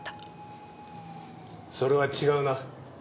それは違うな。